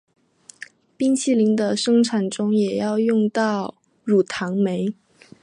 冰淇淋的生产中也要用到乳糖酶。